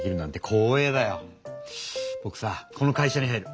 ぼくさこの会社に入る。